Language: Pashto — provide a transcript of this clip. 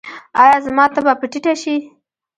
ایا زما تبه به ټیټه شي؟